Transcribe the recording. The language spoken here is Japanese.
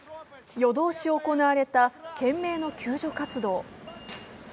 夜通し行われた懸命の救助活動。